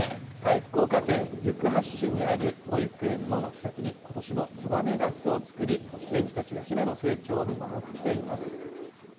福岡県行橋市にある保育園の軒先に、ことしもツバメが巣を作り、園児たちがひなの成長を見守っています。